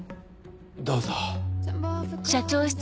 どうぞ。